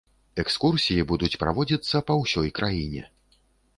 Экскурсіі будуць праводзіцца па ўсёй краіне.